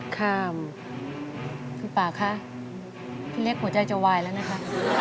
ข้ามคุณป่าคะพี่เล็กหัวใจจะวายแล้วนะคะ